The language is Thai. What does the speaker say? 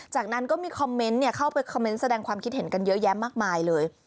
จากนั้นก็มีคอมเมนต์เข้าไปคอมเมนต์แสดงความคิดเห็นกันเยอะแยะมากมายเลย